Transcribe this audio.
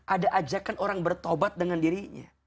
ada ajakan orang bertobat dengan dirinya